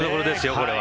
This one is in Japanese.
これは。